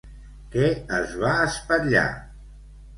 Què es va espatllar?